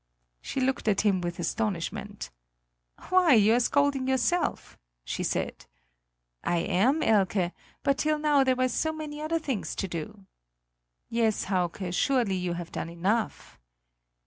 She looked at him with astonishment: "Why, you are scolding yourself!" she said. "I am, Elke; but till now there were so many other things to do." "Yes, Hauke; surely, you have done enough."